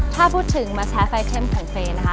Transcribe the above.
ถ้าพูดถึงมชะไฟเท็มของเฟ้นะฮะ